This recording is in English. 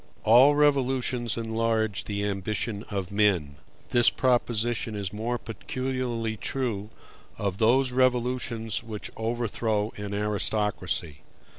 All revolutions enlarge the ambition of men: this proposition is more peculiarly true of those revolutions which overthrow an aristocracy.